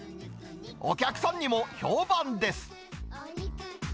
お客さんにも評判です。